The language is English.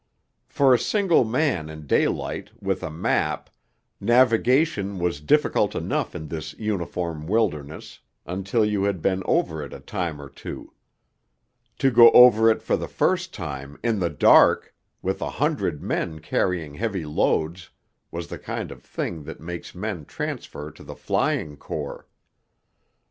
For a single man in daylight, with a map, navigation was difficult enough in this uniform wilderness until you had been over it a time or two; to go over it for the first time, in the dark, with a hundred men carrying heavy loads, was the kind of thing that makes men transfer to the Flying Corps.